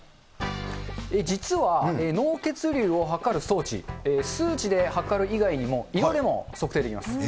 実は、脳血流を測る装置、数値で測る以外にも色でも測定できます。